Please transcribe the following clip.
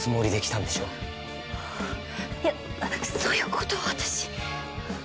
いやそういう事は私。